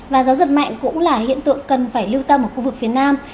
và gió giật mạnh cũng là hiện tượng cần phải lưu tâm ở khu vực phía nam